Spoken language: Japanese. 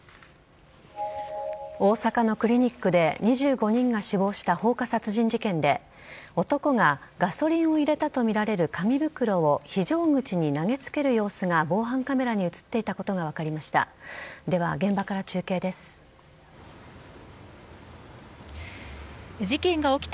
大阪のクリニックで２５人が死亡した放火殺人事件で男がガソリンを入れたとみられる紙袋を非常口に投げつける様子が防犯カメラに映っていたことが分かりました。